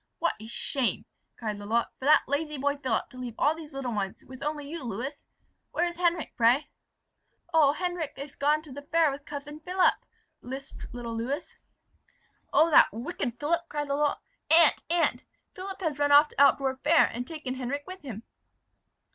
"What a shame," cried Lalotte, "for that lazy boy Philip, to leave all these little ones, with only you, Lewis. Where is Henric, pray?" "Oh! Henric is gone to the fair with cousin Philip," lisped little Lewis. "Oh that wicked Philip!" cried Lalotte. "Aunt! aunt! Philip has run off to Altdorf fair, and taken Henric with him!"